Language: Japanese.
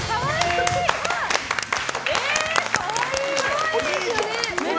これいいですよね。